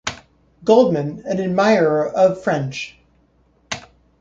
Goldman, an admirer of French.